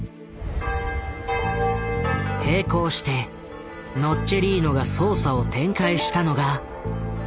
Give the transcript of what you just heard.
並行してノッチェリーノが捜査を展開したのがフィレンツェ。